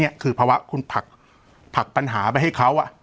นี่คือเพราะว่าคุณผลักปัญหาไปให้เขา